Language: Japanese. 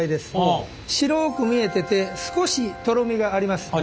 白く見えてて少しとろみがあります。